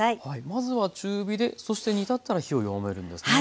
まずは中火でそして煮立ったら火を弱めるんですね。